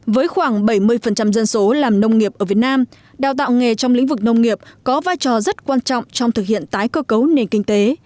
với khoảng bảy mươi dân số làm nông nghiệp ở việt nam đào tạo nghề trong lĩnh vực nông nghiệp có vai trò rất quan trọng trong thực hiện tái cơ cấu nền kinh tế